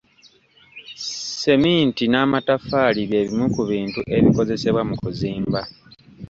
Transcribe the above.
Sseminti n'amatafaali by'ebimu ku bintu ebikozesebwa mu kuzimba.